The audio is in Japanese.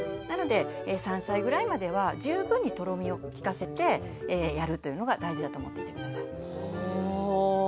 なので３歳ぐらいまでは十分にとろみを効かせてやるというのが大事だと思っていて下さい。